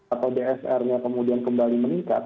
atau dsr nya kemudian kembali meningkat